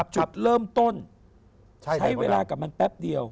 จุดเริ่มต้นใช้เวลากับมันแป๊บเดียว